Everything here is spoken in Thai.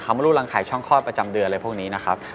ไม่รู้รังไข่ช่องคลอดประจำเดือนอะไรพวกนี้นะครับ